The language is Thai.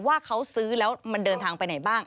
ว่าเขาซื้อแล้วมันเดินทางไปไหนบ้าง